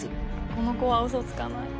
この子はウソつかない。